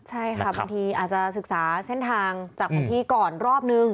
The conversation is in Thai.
ใช่ค่ะบางทีอาจจะศึกษาเส้นทางจากพื้นที่ก่อนรอบนึง